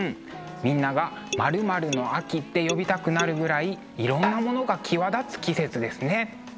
みんなが○○の秋って呼びたくなるぐらいいろんなものが際立つ季節ですね。